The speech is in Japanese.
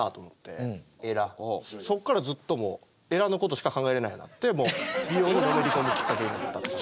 そこからずっともうエラの事しか考えられないようになって美容にのめり込むきっかけになったっていう。